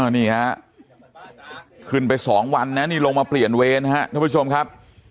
นี่ฮะขึ้นไป๒วันนะนี่ลงมาเปลี่ยนเวรนะครับท่านผู้ชมครับ